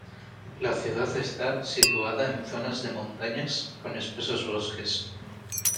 La ciudad está situada en zonas de montañas con espesos bosques.